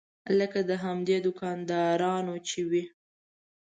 لکه د همدې دوکاندارانو چې وي.